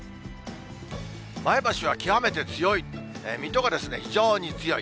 前橋は極めて強い、水戸がですね、非常に強い。